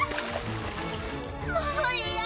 もう嫌。